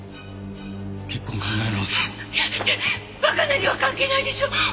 若菜には関係ないでしょ。